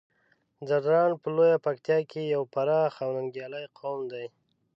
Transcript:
ځدراڼ په لويه پکتيا کې يو پراخ او ننګيالی قوم دی.